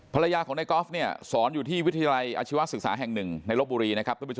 ภรรยาของในกอล์ฟเนี่ยสอนอยู่ที่วิทยาลัยอาชีวศึกษาแห่งหนึ่งในลบบุรีนะครับ